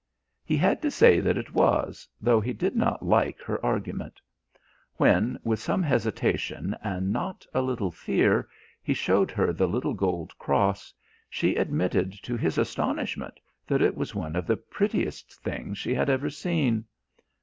He had to say that it was, though he did not like her argument. When, with some hesitation and not a little fear he showed her the little gold cross, she admitted to his astonishment that it was one of the prettiest things she had ever seen.